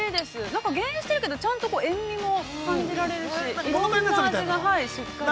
なんか、減塩してるけどちゃんと塩味も感じられるし。